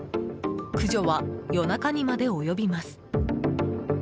駆除は夜中にまで及びます。